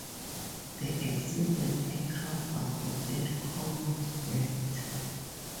The accident aircraft was the third Comet built.